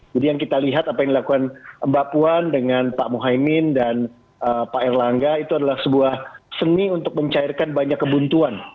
jadi yang kita lihat apa yang dilakukan mbak puan dengan pak mohaimin dan pak erlangga itu adalah sebuah seni untuk mencairkan banyak kebuntuan